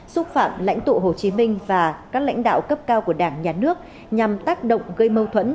xúc phạm lãnh tụ hồ chí minh và các lãnh đạo cấp cao của đảng nhà nước nhằm tác động gây mâu thuẫn